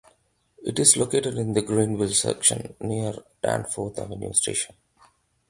It is located in the Greenville Section near Danforth Avenue Station.